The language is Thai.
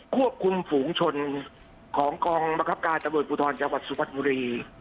ควบคุมฝูงชนของกองบังคับการตำรวจภูทรจังหวัดสุพรรณบุรี